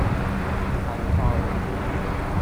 آلان